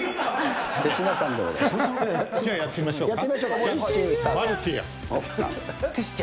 じゃあやってみましょうか。